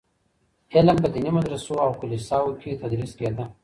علم په ديني مدرسو او کليساوو کي تدريس کيده.